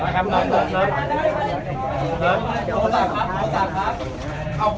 การเสียคุมให้สุข